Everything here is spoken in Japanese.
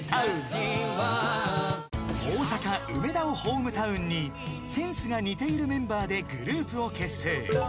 ［大阪梅田をホームタウンにセンスが似ているメンバーでグループを結成］